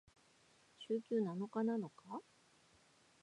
週休七日なのか？